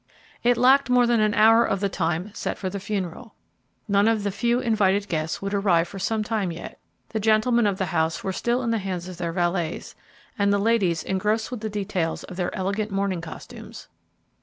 It lacked more than an hour of the time set for the funeral. None of the few invited friends would arrive for some time yet. The gentlemen of the house were still in the hands of their valets, and the ladies engrossed with the details of their elegant mourning costumes.